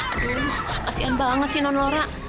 aduh kasian banget sih non lora